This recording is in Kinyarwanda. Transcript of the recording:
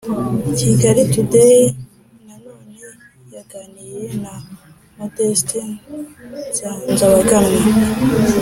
kigali today na none yaganiriye na modeste nsanzabaganwa,